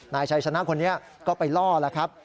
นายชัยชนะคนนี้ก็ไปล่อแล้วครับ